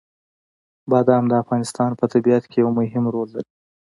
بادام د افغانستان په طبیعت کې یو مهم رول لري.